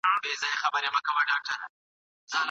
هغه اوبه څښي.